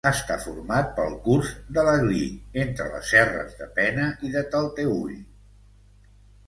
Està format pel curs de l'Aglí entre les serres de Pena i de Talteüll.